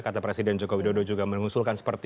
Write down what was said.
kata presiden joko widodo juga mengusulkan seperti